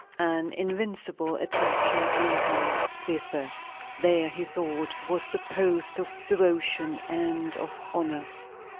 An invincible attraction drew him thither. There, he thought, was the post of devotion and of honor.